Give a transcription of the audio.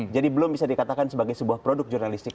jadi belum bisa dikatakan sebagai sebuah produk jurnalistik